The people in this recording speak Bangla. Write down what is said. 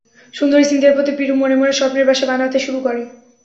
সুন্দরী সিন্থিয়ার প্রতি পিরু মনে মনে স্বপ্নের বাসা বানাতে শুরু করে।